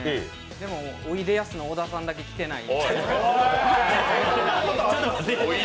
でもおいでやす小田さんだけ来てない。